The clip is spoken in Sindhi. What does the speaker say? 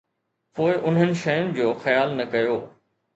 پوءِ انهن شين جو خيال نه ڪيو؟